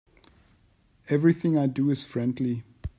Everything I do is friendly.